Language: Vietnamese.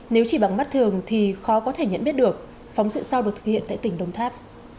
nếu chỉ bằng mắt thường thì khó có thể nhận biết được phóng sự sau được thực hiện tại tỉnh đồng tháp